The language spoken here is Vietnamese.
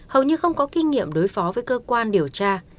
hầu như không có kinh nghiệm đối phó với cơ quan điều tra